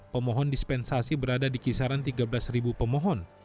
pemohon dispensasi berada di kisaran tiga belas pemohon